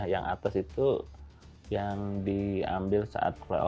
yang atas itu yang diambil saat fly over bulan